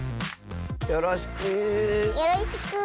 よろしく。